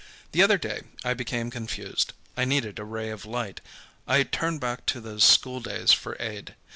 The other day I became confused. I needed a ray of light. I turned back to those school days for aid.